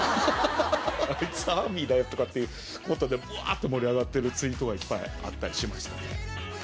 「あいつＡＲＭＹだよ」とかってことでぶわって盛り上がってるツイートがいっぱいあったりしました。